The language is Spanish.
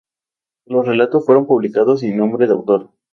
Los relatos fueron publicados sin nombre de autor.